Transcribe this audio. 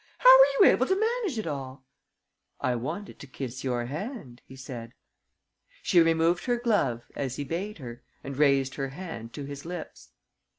How were you able to manage it all?" "I wanted to kiss your hand," he said. She removed her glove, as he bade her, and raised her hand to his lips.